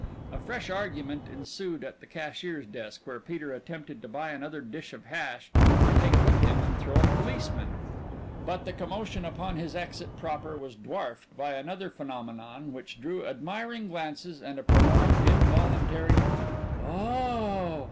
A fresh argument ensued at the cashier's desk, where Peter attempted to buy another dish of hash to take with him and throw at policemen. But the commotion upon his exit proper was dwarfed by another phenomenon which drew admiring glances and a prolonged involuntary "Oh h h!"